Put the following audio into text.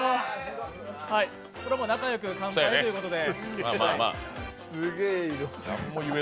これはもう仲良く乾杯ということで。